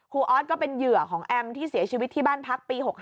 ออสก็เป็นเหยื่อของแอมที่เสียชีวิตที่บ้านพักปี๖๕